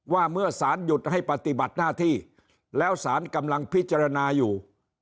ว่าเมื่อสารหยุดให้ปฏิบัติหน้าที่แล้วสารกำลังพิจารณาอยู่